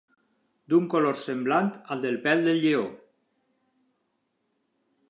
D'un color semblant al del pèl del lleó.